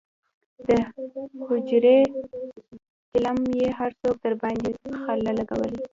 دحجرې چیلم یې هر څوک درباندې خله لکوي.